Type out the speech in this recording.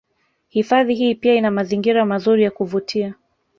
Hifadhi hii pia ina mazingira mazuri ya kuvutia